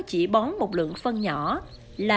chỉ bón một lượng phân nhỏ là